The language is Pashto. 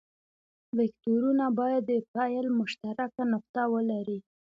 وکتورونه باید د پیل مشترکه نقطه ولري.